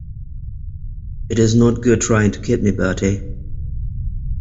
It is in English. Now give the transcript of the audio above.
It's no good trying to kid me, Bertie.